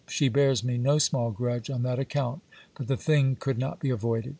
She bears me no small grudge on that account ; but the thing could not be avoided.